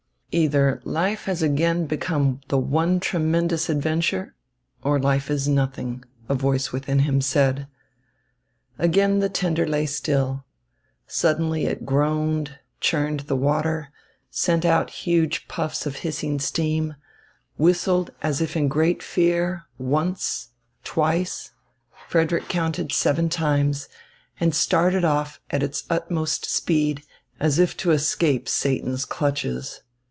"Either life has again become the one tremendous adventure, or life is nothing," a voice within him said. Again the tender lay still. Suddenly it groaned, churned the water, sent out huge puffs of hissing steam, whistled as if in great fear, once, twice Frederick counted seven times and started off at its utmost speed, as if to escape Satan's clutches.